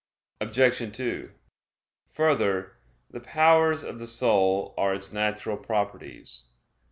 Obj. 2: Further, the powers of the soul are its natural properties.